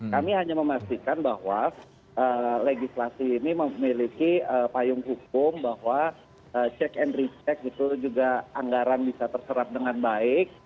kami hanya memastikan bahwa legislasi ini memiliki payung hukum bahwa check and recheck itu juga anggaran bisa terserap dengan baik